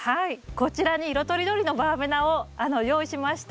こちらに色とりどりのバーベナを用意しました。